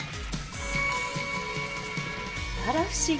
あら不思議！